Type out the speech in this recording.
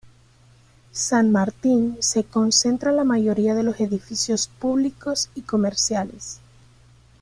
San Martín se concentra la mayoría de los edificios públicos y comerciales.